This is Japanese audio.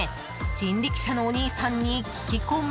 人力車のお兄さんに聞き込み。